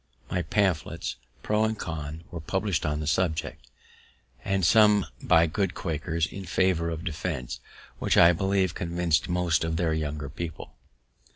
Many pamphlets pro and con were publish'd on the subject, and some by good Quakers, in favour of defense, which I believe convinc'd most of their younger people.